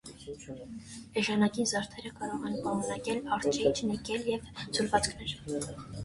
Էժանագին զարդերը կարող են պարունակել արճիճ, նիկել և այլ ձուլվածքներ։